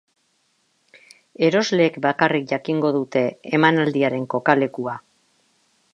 Erosleek bakarrik jakingo dute emanaldiaren kokalekua.